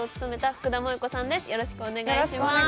よろしくお願いします。